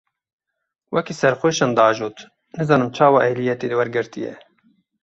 Wekî serxweşan diajot, nizanim çawa ehliyetê wergirtiye.